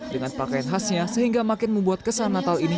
dengan pakaian khasnya sehingga makin membuat kesan natal ini